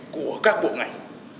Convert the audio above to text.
của các bộ ngành